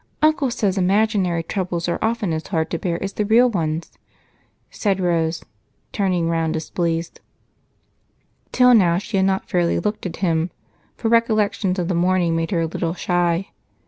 Uncle says imaginary troubles are often as hard to bear as real ones," said Rose, turning around displeased. Till now she had not fairly looked at him, for recollections of the morning made her a little shy.